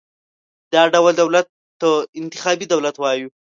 دا ډول دولت ته انتخابي دولت وایو.